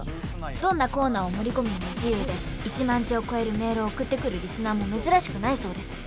どんなコーナーを盛り込むのも自由で１万字を超えるメールを送ってくるリスナーも珍しくないそうです。